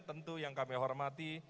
tentu yang kami hormati